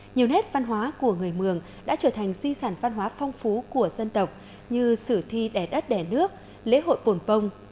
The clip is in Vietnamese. nhiều nét văn hóa của người mường đã trở thành di sản văn hóa phong phú của dân tộc như sử thi đẻ đất đẻ nước lễ hội bồn bông